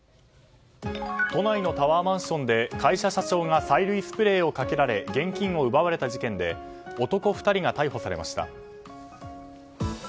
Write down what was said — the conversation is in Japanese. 都内のタワーマンションで会社社長が催涙スプレーをかけられ現金を奪われた事件で男２人が逮捕されました。